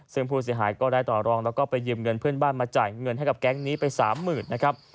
ซึ่งผู้เสียหายก็ได้ต่อรองแล้วก็ไปยืมเงินเพื่อนบ้านมาจ่ายเงินให้กับแก๊งนี้ไป๓๐๐๐นะครับ